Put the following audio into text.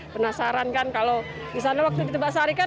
penasaran kan kalau disana waktu itu mbak sari kan